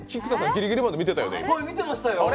ギリギリまで見てましたよね。